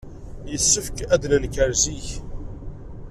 Yessefk ad d-nenker zik?